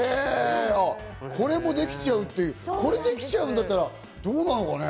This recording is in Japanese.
これもできちゃう、これできるんだったら、どうなのかね？